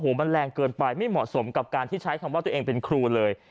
มันแรงเกินไปไม่เหมาะสมกับการที่ใช้คำว่าตัวเองเป็นครูเลย